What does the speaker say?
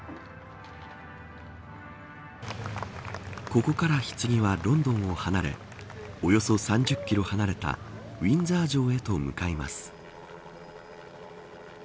ここからひつぎはロンドンを離れおよそ３０キロ離れたウィンザー城へと向かいます。